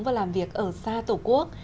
và làm việc ở xa tổ quốc